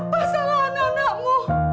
apa salah anak anakmu